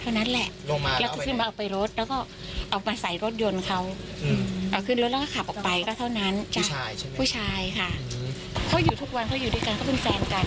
ช่างนิรมดิโทษแล้วก็เอามาใส่รถยนต์เขาเอาขึ้นตาก่ายก็เท่านั้นผู้ชายผู้ชายค่ะทุกวันเขาอยู่ด้วยกันกับแฟนกัน